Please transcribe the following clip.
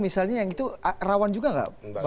misalnya yang itu rawan juga nggak